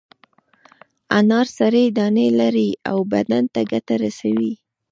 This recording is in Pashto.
انار سرې دانې لري او بدن ته ګټه رسوي.